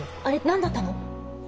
あれ何だったの？